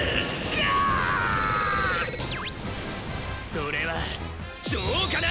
それはどうかな！